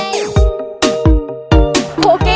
กรุงเทพค่ะ